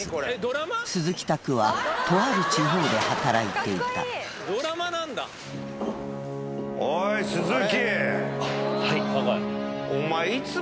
鈴木拓は、とある地方で働いていおい、鈴木！